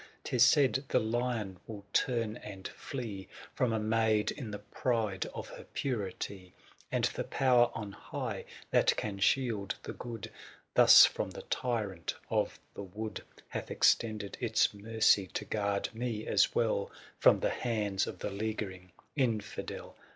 " 'Tis said the lion will turn and flee " From a maid in the pride of her purity ;'* And the Power on high, that can shield the good '^ Thus from the tyrant of the wood, 59*5 Hath extended its mercy to guard me as well *' From the hands of the leaguering infidel.